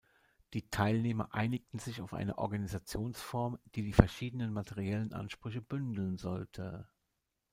Die Teilnehmer einigten sich auf eine Organisationsform, die die verschiedenen materiellen Ansprüche bündeln sollte.